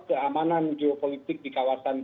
keamanan geopolitik di kawasan